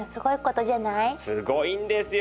すごいんですよ